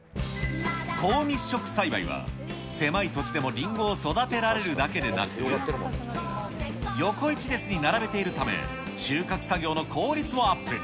高密植栽培は、狭い土地でもりんごを育てられるだけでなく、横一列に並べているため、収穫作業の効率もアップ。